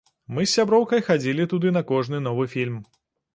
Мы з сяброўкай хадзілі туды на кожны новы фільм.